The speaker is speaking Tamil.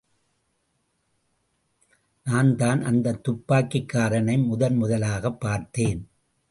நான் தான் அந்த துப்பாக்கிக்காரனை முதன் முதலாகப் பார்த்தேன்.